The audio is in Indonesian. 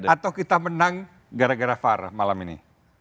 atau kita menang gara gara var malam ini